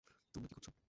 তোমরা কী করছ?